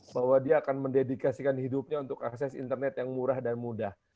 bahwa dia akan mendedikasikan hidupnya untuk akses internet yang murah dan mudah